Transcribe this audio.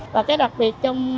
và cái đặc biệt trong